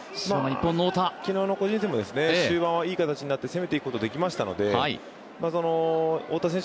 昨日の個人戦も終盤はいい形になって攻めていくことができましたので太田選手